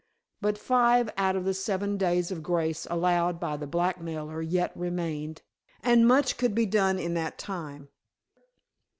But five out of the seven days of grace allowed by the blackmailer yet remained, and much could be done in that time.